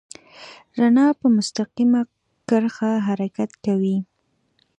رڼا په مستقیمه کرښه حرکت کوي.